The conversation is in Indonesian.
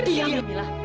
diam ya milah